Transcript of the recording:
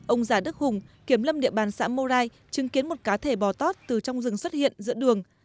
ông giả đức hùng kiểm lâm địa bàn xã mon rai chứng kiến một cá thể bò tót từ trong rừng xuất hiện giữa đường